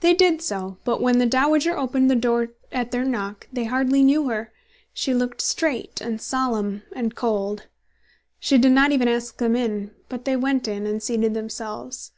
They did so; but when the "dowager" opened the door at their knock, they hardly knew her. She looked straight, and solemn, and cold. She did not even ask them in; but they went in and seated themselves.